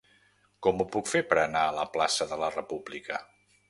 Com ho puc fer per anar a la plaça de la República?